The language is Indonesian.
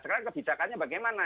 sekarang kebijakannya bagaimana